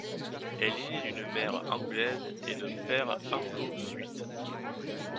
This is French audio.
Elle est née d'une mère anglaise et d'un père anglo-suisse.